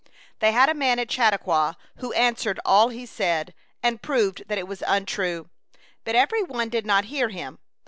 "They had a man at Chautauqua who answered all he said and proved that it was untrue, but every one did not hear him.